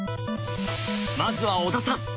まずは小田さん。